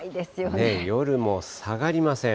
夜も下がりません。